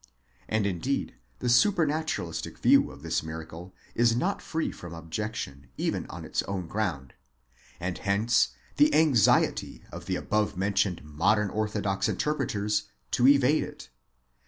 And indeed the supranaturalistic view of this miracle is not free from objection, even on its own ground ; and hence the anxiety of the above mentioned modern orthodox interpreters to evade it.